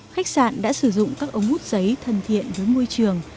khách sạn đã sử dụng các ống hút giấy thân thiện với môi trường